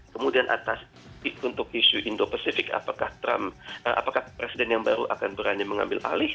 kemudian atas untuk isu indo pacific apakah trump apakah presiden yang baru akan berani mengambil alih